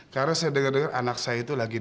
karena saya dengar dengar anak saya itu lagi diberi